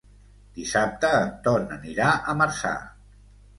Dissabte en Ton anirà a Marçà.